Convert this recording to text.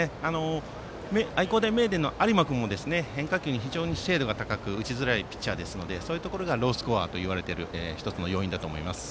愛工大名電の有馬君も変化球の精度が非常に高く打ちづらいピッチャーなのでそういうところがロースコアといわれる１つの要因だと思います。